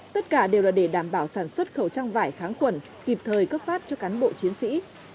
tất cả đều là để đảm bảo sản xuất khẩu trang vải kháng khuẩn kịp thời cấp phát cho cán bộ chiến sĩ